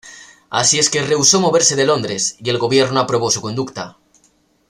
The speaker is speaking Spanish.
Así es que rehusó moverse de Londres, y el gobierno aprobó su conducta.